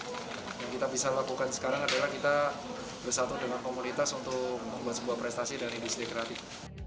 yang kita bisa lakukan sekarang adalah kita bersatu dengan komunitas untuk membuat sebuah prestasi dan industri kreatif